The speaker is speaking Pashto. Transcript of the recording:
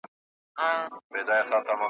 خپل ګودر ورته عادت وي ورښودلی